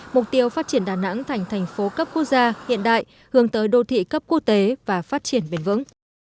mục tiêu phát triển đà nẵng thành thành phố cấp quốc gia hiện đại hướng tới đô thị cấp quốc tế và phát triển bền vững